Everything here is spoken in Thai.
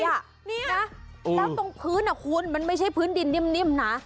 แล้วตรงพื้นคุณมันไม่ใช่พื้นดินนิ่มนะ